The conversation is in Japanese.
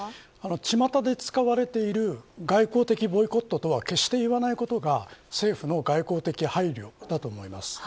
ちまたで使われている外交的ボイコットとは決して言わないことが政府の外交的配慮だと思います。